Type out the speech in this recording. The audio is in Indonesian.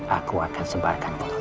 aku akan sebarkan foto kita ini